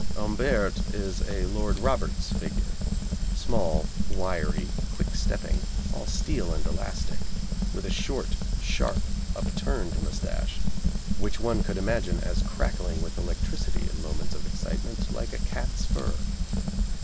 Humbert is a Lord Robert's figure, small, wiry, quick stepping, all steel and elastic, with a short, sharp upturned moustache, which one could imagine as crackling with electricity in moments of excitement like a cat's fur.